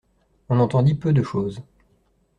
On entendit peu de choses.